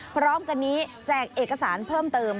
พร้อมกันนี้แจกเอกสารเพิ่มเติม